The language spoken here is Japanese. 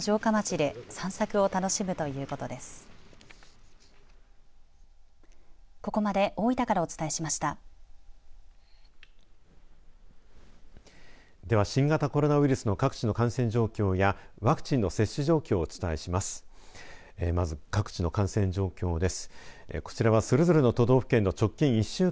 では、新型コロナウイルスの各地の感染状況やワクチンの接種状況をお伝えします。